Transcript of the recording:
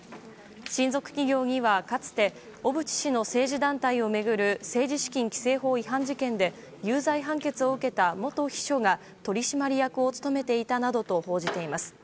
親族企業にはかつて小渕氏の政治団体を巡る政治資金規正法違反事件で有罪判決を受けた元秘書が取締役を務めていたなどと報じています。